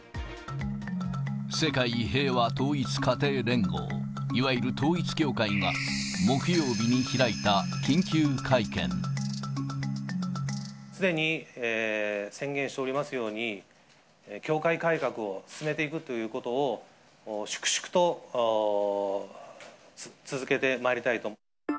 世界平和統一家庭連合、いわゆる統一教会が木曜日に開いた緊急会すでに宣言しておりますように、教会改革を進めていくということを、粛々と続けてまいりたいと。